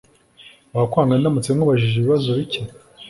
Wakwanga ndamutse nkubajije ibibazo bike?